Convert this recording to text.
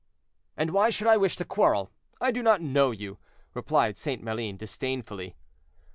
"And why should I wish to quarrel? I do not know you," replied St. Maline, disdainfully.